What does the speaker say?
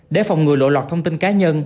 để phòng người lộ lọt thông tin cá nhân